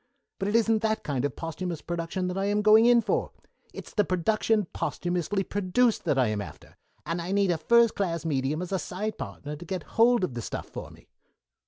But it isn't that kind of posthumous production that I am going in for. It's the production posthumously produced that I am after, and I need a first class medium as a side partner to get hold of the stuff for me."